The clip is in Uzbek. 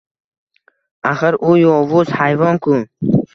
Axir u yovuz hayvon-ku.